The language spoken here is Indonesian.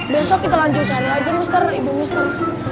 besok kita lanjut cari aja mister ibu mister